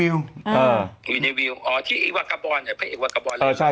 อ๋อที่ไอ้วากบรพะเออกวากบรอ่ะ